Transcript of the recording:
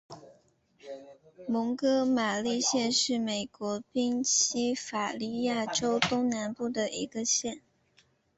蒙哥马利县是美国宾夕法尼亚州东南部的一个县。